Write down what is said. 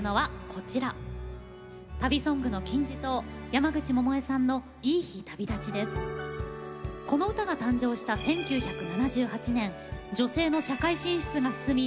この歌が誕生した１９７８年女性の社会進出が進み